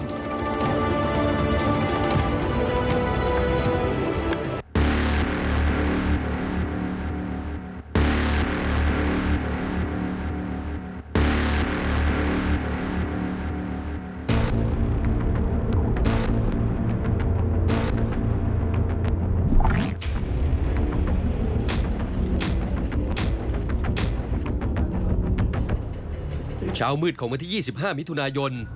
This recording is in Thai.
เช้ามืดของวันที่๒๕มิถุนายน